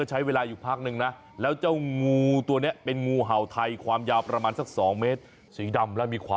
หิวเขาว่านะน่ากลัว